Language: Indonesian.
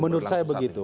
menurut saya begitu